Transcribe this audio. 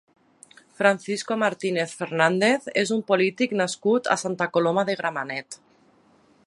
Francisco Martínez Fernández és un polític nascut a Santa Coloma de Gramenet.